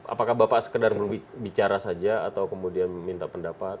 apakah bapak sekadar bicara saja atau kemudian minta pendapat